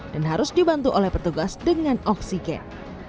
dan harus dibantu oleh petugas dengan oksigen